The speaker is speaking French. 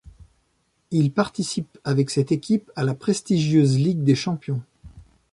Il participe avec cette équipe à la prestigieuse Ligue des champions.